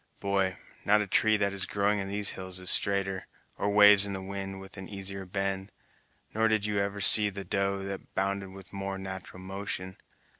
Boy, not a tree that is growing in these hills is straighter, or waves in the wind with an easier bend, nor did you ever see the doe that bounded with a more nat'ral motion.